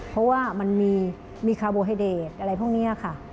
เพราะว่ามันมีคาร์โบไฮเดตอะไรพวกนี้ค่ะ